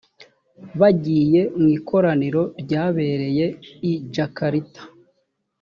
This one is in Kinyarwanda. bagiye mu ikoraniro ryabereye i jakarta